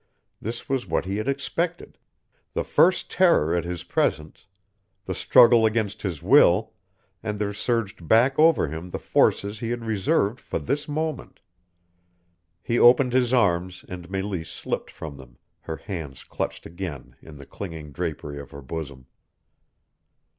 This was what he had expected the first terror at his presence, the struggle against his will, and there surged back over him the forces he had reserved for this moment. He opened his arms and Meleese slipped from them, her hands clutched again in the clinging drapery of her bosom.